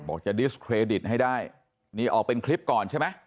จะดิสเครดิตให้ได้นี่ออกเป็นคลิปก่อนใช่ไหม